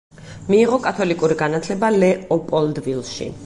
მიიღო კათოლიკური განათლება ლეოპოლდვილში.